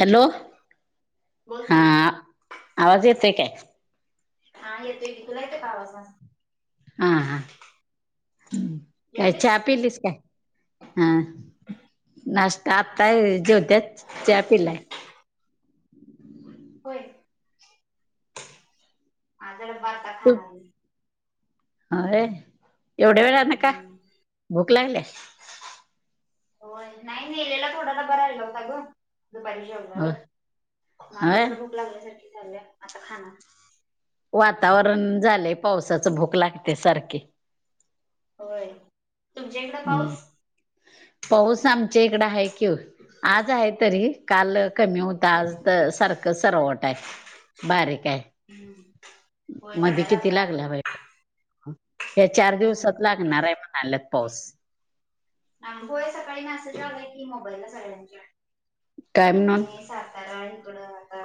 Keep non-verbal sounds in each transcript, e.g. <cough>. Hello! बोल हा की - आवाज येतोय काय? हा येतोय.. तुला येतो का आवाज माझा? हा हा.. काय जेवलीस चहा पिलीस काय? हा नाश्ता.. आताय जेवत्यात? चहा पिलाय.. होय.. हा लय बारका झाला <inaudible> होये.. एवढ्या वेळानं का? हम्म भूक लागली? हो नाही नाही.. नेलेला थोडासा डब्बा राहिला होता ग दुपारी हो म आता होय जरा भूक लागल्यासारखी झाल्या आता खाणार.. वातावरण झालेय.. पावसाच.. भूक लागते सारखे होय.. तुमच्या इकडे हम् पाऊस पाऊस आमच्या इकड आहे कि ओ.. आज आहे तरी काल कमी होता.. आज तर सारखं सरवट आहे.. बारीक आहे हम्म. होय मधे पडायला किती लागलाय आता. लागला... बाई पाऊस.. या चार हम्म दिवसात लागणार आहे.. म्हणाल्यात पाऊस.. आज होय सकाळी मेसेज आलाय की, मोबाईलला सगळ्यांच्या काय म्हणून तुम्ही सातारा ईकड अ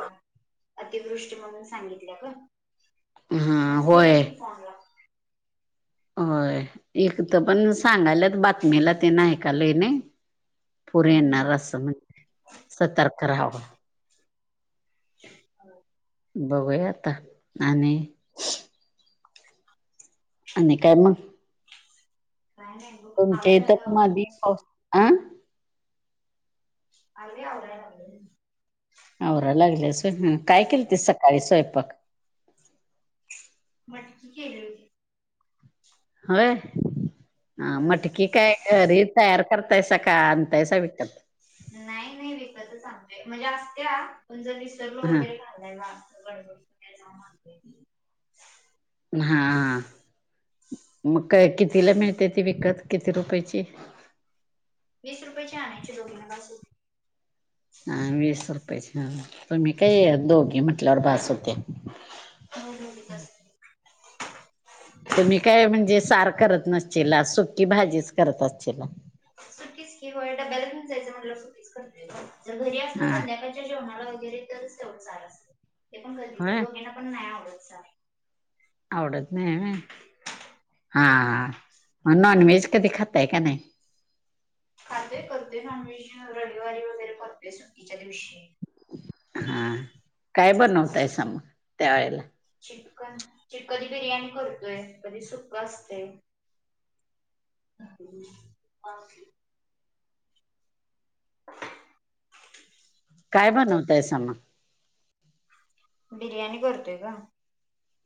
अतिवृष्टी म्हणून सांगितल्या ग हा मेसेज होय येते की फोन ला होय.. इथपण सांगायलात बातमीला तेन ऐकालोय नाही पूर हम्म येणार असं म्हणतात.. सतर्क राहावं.. हो. बघूया आता आणि.. आणि काय मग? काय नाय. तुमच्या इथे मधी पाऊस, आ आजही <unintelligible> आला नाही घरी आवराया लागलेस व्हय, केलतीस सकाळी स्वयपाक? मटकी केली होती. होय, ह मटकी काय घरी तयार करतायसा का? आनताय विकत? नाही नाही विकतच अंनतया, म्हणजे असते्या पण जर विसरलो हा वगैरे <unintelligible> हा, मग कितीला मिळते ती विकत किती रुपयची? वीस रुपयाेची आणायची दोघांना बास होते. हा वीस रुपयेची ह, तुम्ही काय दोघे म्हटल्यावर बास होते. होय ओलीच असते. तुम्ही काय म्हणजे सार करत नसतीलला? सुकी भाजीच करत असतीलला? सुकीच की व्हय डब्याला घेऊन जायचं म्हटल्यावर सुकीच करते. जर घरी हा <unintelligible> सकाळच्या जेवणाला वगैरे तरच तेवढं सार असत. ते पण कधी तर होय दोघांना पण नाही आवडत सार. आवडत नाही हा, मग नॉन व्हेज कधी खाताय का नाही? खाते करते नॉनव्हेज, रविवारी वगैरे करतेय सुट्टीच्या दिवशी. हा, काय असं बनवतयसा मग त्या वेळेला? चिकन- चिकणी बिर्याणी करतोय कधी सुका असते. ह <inaudible> काय बनवताय स मग? बिर्याणी करतोय ग.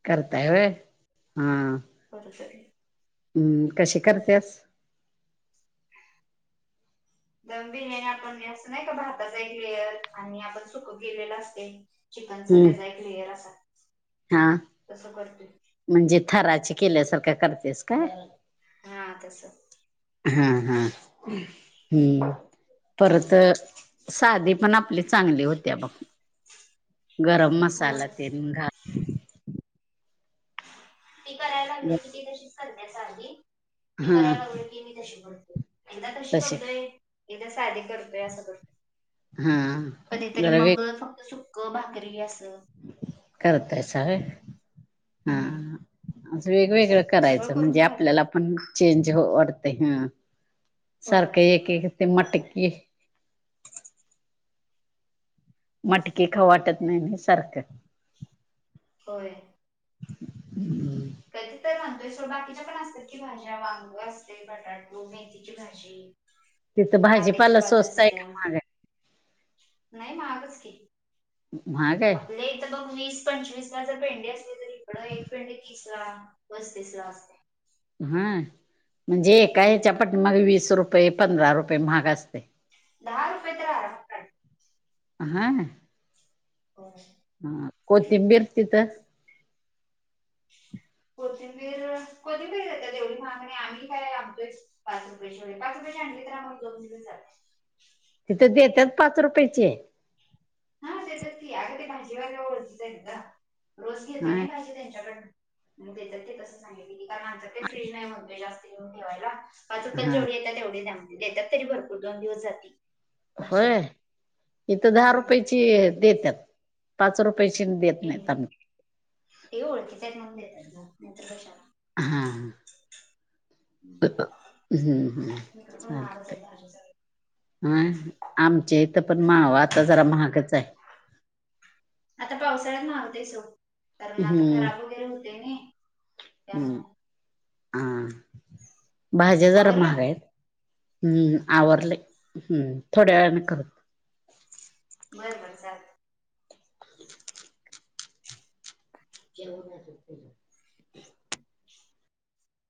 करताय व्हय? हा. हो सरी <unintelligible> हम्म, कशी करतेस? दम बिर्याणी आपण असं नाही का भातच एक लीअर आणि आपण सुकत गेलेलं असते. चिकनच हम्म त्याचा एक लेयर असा, हा तसं करतय. म्हणजे थराची केल्यासारखं करतेस का? हा तस. हा हा, हम्म परत साधी पण आपली चांगली होत्या बघ. गरम होय मसाला तेल घा ती करायला लागली की ती तशीच करण्याच साधी, मी हा करायला लागल की मी तशी करतोय. एकदा तशी तसे करतोय एकदा साधे करतोय असं करतोय. हा. कधीतरी जरा वेग मग फक्त सुक, भाकरी, अस. करतायसा व्हय. हा, हम्म असं वेग -वेगळं सगळं करायचं करून म्हणजे खातोय. आपल्याला पण चेंज वाढते, हा होय सारखं एक एक ते मटकी मटकी खाऊ वाटत नाही सारखं. होय. हम <inaudible> कधी तर आनतोय सोवर बाकीच्या पण असतात की भाज्या वांग असते बटाटो, मेथीची भाजी तिथं कांद्याची भाजीपाला पातं स्वस्त आहे का असत्यां नाहीं महाग आहे? नं की लंय महां गंच की माहांग आहे आपल्या तरं बघं मीस पंचवीस लां जरं पेंडी असली तरं इकडं एक पिंड तीस लां पस्तीस लां असते हां म्हणजे एका हम्म ह्यांच्या पट्टी मंग वीस रुपये पंधरा रुपये महांग असते दहा रुपये द्या लागतांत हायं हो हां कोथिंबीर असति तरं कोथिंबीर कधीं बीर येते तेवढी मागणी आम्हीं कायं आमचं पांच रूपयांची पांच रुपयाचि जरी आनली तरी आम्हांला दोन दिवसं जाते तिथं देतांत पांच रुपयाेची आहे हां ते तरं ती अगं ते भाजी वगैरें ओळखीच आहे रोजं घेते हा नां भाजी त्यांच्याकडूंन त्यांचं ते तसं सांगितले कारणं आमच्या कडे फ्रीज नाहीं म्हणतोय जास्तं म्हटलं ठेवांयला पांच रुपयाला हा जेवढे येतांत तेवढी दे देतांत तरी भरंपूर दोन दिवसं जातील होयं इथं दहा रुपयाची देतांत पांच रुपय पैसे देतं नाहीं पेंडी आम्हीं ते ओळखीतं म्हणूंन देतांत नाहींतरं कशांला हां हम्म हम्म बहांल इकडं पणं बहांलचं सांधू संत हां आमचे इथं पणं हम्म मांवा आंता जरां महांगच आहे आंता पावसाळ्यांत नव्हते सो कारणं आंता हम्म. खरांब वगैरें होते नां त्यांमुळे हां भाज्यां जरां आवरलं महांग आहे हम्मं आवरले हम्मं थोड्यां वेळांन करूं बरं बरं चालेल हं केव नां <unintelligible>